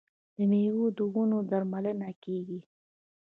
د میوو د ونو درملنه کیږي.